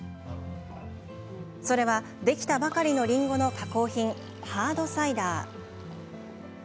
それは、できたばかりのりんごの加工品、ハードサイダー。